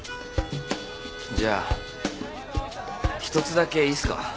じゃあ１つだけいいっすか？